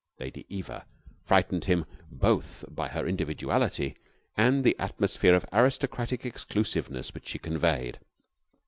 Lady Eva frightened him both by her individuality and the atmosphere of aristocratic exclusiveness which she conveyed.